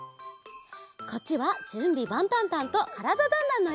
こっちは「じゅんびばんたんたん！」と「からだ☆ダンダン」のえ。